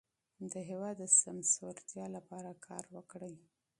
د هېواد د سمسورتیا لپاره کار وکړئ.